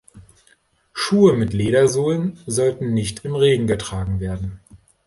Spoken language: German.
Schuhe mit Ledersohlen sollten nicht im Regen getragen werden.